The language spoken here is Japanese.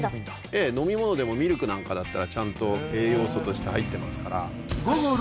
ええ飲み物でもミルクなんかだったらちゃんと栄養素として入ってますから。